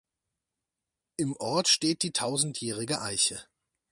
Im Ort steht die Tausendjährige Eiche.